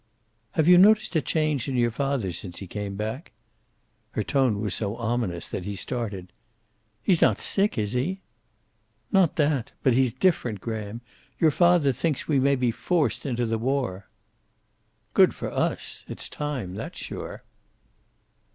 "Have you noticed a change in your father since he came back?" Her tone was so ominous that he started. "He's not sick, is he?" "Not that. But he's different. Graham, your father thinks we may be forced into the war." "Good for us. It's time, that's sure."